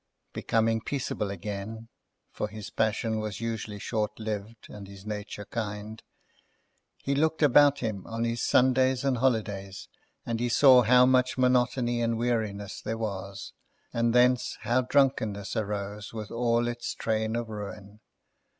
Becoming peaceable again (for his passion was usually short lived, and his nature kind), he looked about him on his Sundays and holidays, and he saw how much monotony and weariness there was, and thence how drunkenness arose with all its train of ruin.